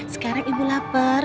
sekarang ibu lapar